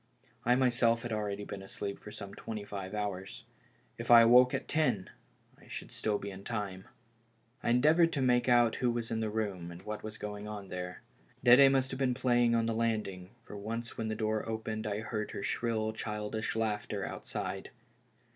I myself had already been asleep for some twenty five hours ; if I awoke at ten I should still be in time. THE FUNERAL. 25 T I endeavored to make out who was in the room and what was going on there. Dedd must have been play ing on the landing, for once when the door opened I heard her shrill childish laughter outside.